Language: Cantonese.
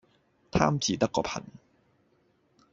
貪字得個貧